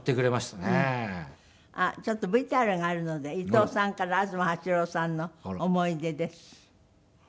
あっちょっとＶＴＲがあるので伊東さんから東八郎さんの思い出です。